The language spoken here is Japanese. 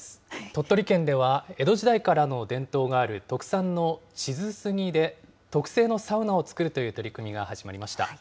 鳥取県では江戸時代からの伝統がある特産の智頭杉で、特製のサウナを作るという取り組みが始まりました。